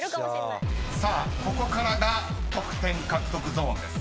［さあここからが得点獲得ゾーンです］